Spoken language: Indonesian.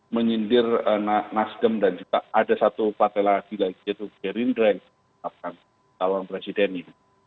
menyindir nasdem dan juga ada satu partai lagi yaitu gerindra yang menetapkan calon presiden ini